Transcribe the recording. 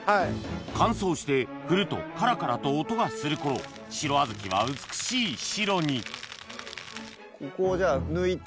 乾燥して振るとカラカラと音がする頃白小豆は美しい白にここを抜いて。